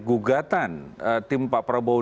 gugatan tim pak prabowo